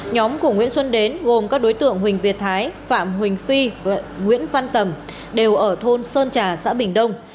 nhóm của nguyễn xuân đến gồm các đối tượng huỳnh việt thái phạm huỳnh phi nguyễn văn tầm đều ở thôn sơn trà xã bình đông